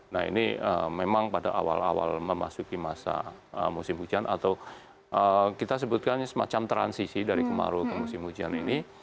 nah ini memang pada awal awal memasuki masa musim hujan atau kita sebutkan semacam transisi dari kemarau ke musim hujan ini